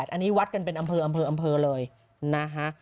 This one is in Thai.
อันนี้วัดกันเป็นอำเภออำเภอเลยนะคะ